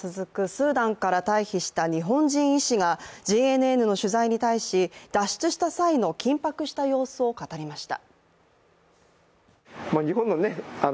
スーダンから退避した日本人医師がＪＮＮの取材に対し脱出した際の緊迫した様子を語りました。